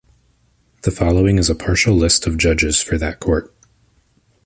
The following is a partial list of Judges for that court.